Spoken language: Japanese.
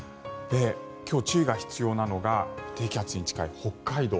今日、注意が必要なのが低気圧に近い北海道